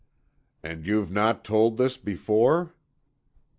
"And you've not told this before?"